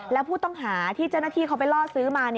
แล้วผู้ต้องหาที่เจ้าหน้าที่เขาไปล่อซื้อมา